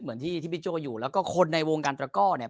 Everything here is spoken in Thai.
เหมือนที่ที่บิ๊กโจ้อยู่แล้วก็คนในวงการตระก้อเนี่ย